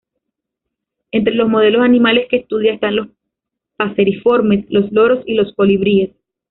Entre los modelos animales que estudia están los paseriformes, los loros y los colibríes.